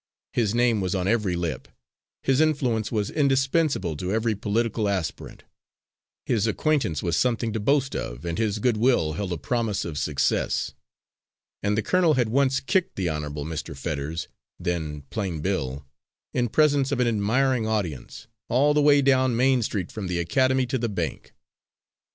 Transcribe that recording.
His name was on every lip. His influence was indispensable to every political aspirant. His acquaintance was something to boast of, and his good will held a promise of success. And the colonel had once kicked the Honourable Mr. Fetters, then plain Bill, in presence of an admiring audience, all the way down Main Street from the academy to the bank!